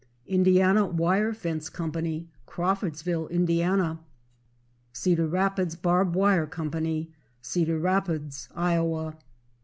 Indiana Wire Fence Co., Crawfordsville, Ind. Cedar Rapids Barb Wire Co., Cedar Rapids, Iowa.